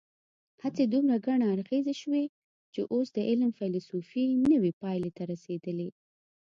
هڅې دومره ګڼ اړخیزې شوي چې اوس د علم فېلسوفي نوې پایلې ته رسېدلې.